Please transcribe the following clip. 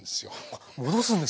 あっ戻すんですか？